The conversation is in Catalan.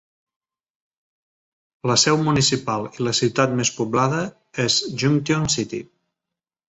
La seu municipal i la ciutat més poblada és Junction City.